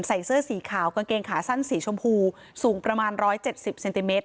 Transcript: ใส่เสื้อสีขาวกางเกงขาสั้นสีชมพูสูงประมาณ๑๗๐เซนติเมตร